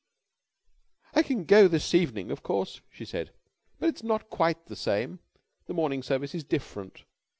"I can go this evening, of course," she said, "but it's not quite the same. The morning service is different.